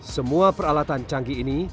semua peralatan canggih ini